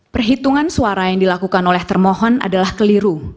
perhitungan suara yang dilakukan oleh termohon adalah keliru